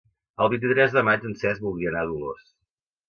El vint-i-tres de maig en Cesc voldria anar a Dolors.